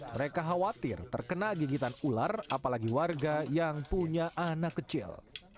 mereka khawatir terkena gigitan ular apalagi warga yang punya anak kecil